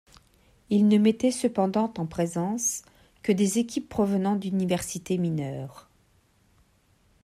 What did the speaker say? Il ne mettait cependant en présence que des équipes provenant d'universités mineures.